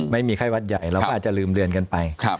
ไม่มีไข้วัดใหญ่จะลืมเดื่อนกันไป